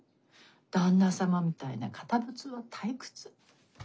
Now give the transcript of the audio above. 旦那様みたいな堅物は退屈。